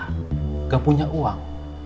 nggak punya uang